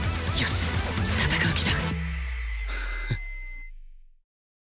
し戦う気だ